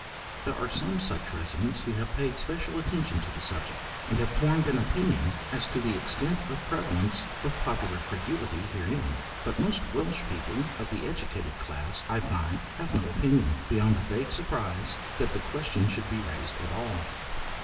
There are some such residents who have paid special attention to the subject, and have formed an opinion as to the extent of prevalence of popular credulity herein; but most Welsh people of the educated class, I find, have no opinion, beyond a vague surprise that the question should be raised at all.